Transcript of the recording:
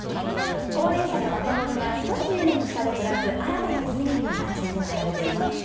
高齢者と若者が一つ屋根の下で暮らす新たなコミュニティーが注目されています。